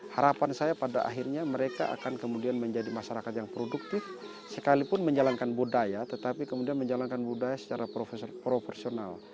harapan saya pada akhirnya mereka akan kemudian menjadi masyarakat yang produktif sekalipun menjalankan budaya tetapi kemudian menjalankan budaya secara proporsional